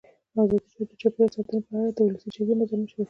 ازادي راډیو د چاپیریال ساتنه په اړه د ولسي جرګې نظرونه شریک کړي.